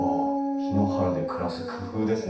檜原で暮らす工夫ですね。